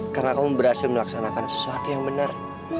karena kamu berhasil melaksanakan sesuatu yang benar